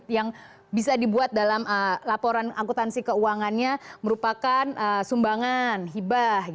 yang bisa dibuat dalam laporan angkutansi keuangannya merupakan sumbangan hibah